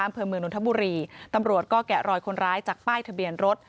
อำเภอเมืองนนทบุรีตำรวจก็แกะรอยคนร้ายจากป้ายทะเบียนรถ